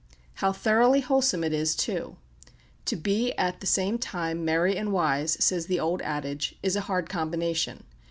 How thoroughly wholesome it is too! To be at the same time merry and wise, says the old adage, is a hard combination.